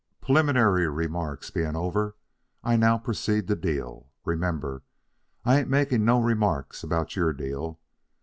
"Preliminary remarks being over, I now proceed to deal. Remember, I ain't making no remarks about your deal.